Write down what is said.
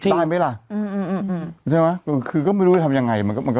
ไหมล่ะอืมอืมใช่ไหมคือก็ไม่รู้จะทำยังไงมันก็มันก็